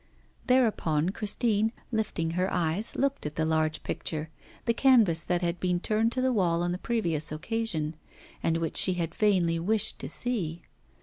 Thereupon Christine, lifting her eyes, looked at the large picture, the canvas that had been turned to the wall on the previous occasion, and which she had vainly wished to see.